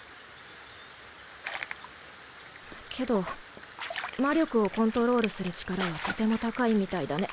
けど魔力をコントロールする力はとても高いみたいだね。